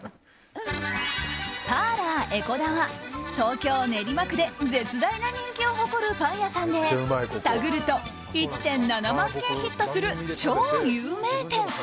パーラー江古田は東京・練馬区で絶大な人気を誇るパン屋さんでタグると１．７万件ヒットする超有名店。